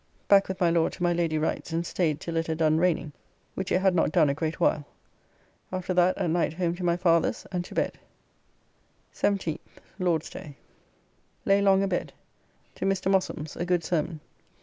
Back with my Lord to my Lady Wright's and staid till it had done raining, which it had not done a great while. After that at night home to my father's and to bed. 17th (Lord's day). Lay long abed. To Mr. Mossum's; a good sermon.